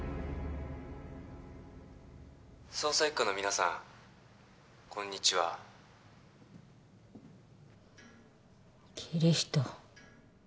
捜査一課の皆さんこんにちはキリヒト